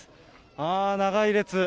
あー、長い列。